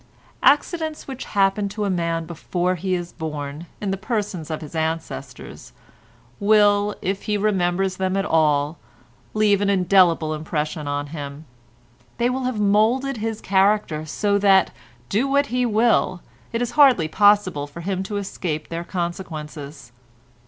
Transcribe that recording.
Accidents which happen to a man before he is born, in the persons of his ancestors, will, if he remembers them at all, leave an indelible impression on him; they will have moulded his character so that, do what he will, it is hardly possible for him to escape their consequences.